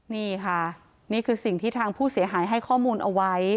นี่ค่ะนี่คือสิ่งที่ทางผู้เสียหายให้ข้อมูลเอาไว้